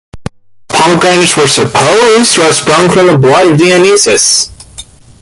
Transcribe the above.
Pomegranates were supposed to have sprung from the blood of Dionysus.